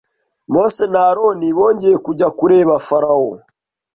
Mose na Aroni bongeye kujya kureba Farawo